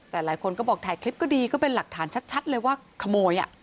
แต่หลายคนก็บอกถ่ายคลิปก็ดีก็เป็นหลักฐานชัดเลยว่าขโมย